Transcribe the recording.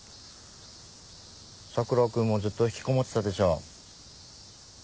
桜君もずっと引きこもってたでしょ。